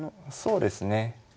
そうですね。